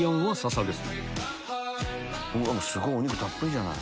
お肉たっぷりじゃない。